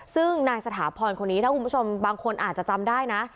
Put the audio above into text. ซึ่งนายสถาพรคนนี้ถ้าคุณผู้ชมบางคนอาจจะจำได้นะ